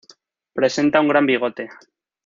Presenta un gran bigote.